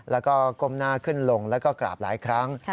แล้วก็ก้มหน้าขึ้นลงแล้วก็กราบหลายครั้ง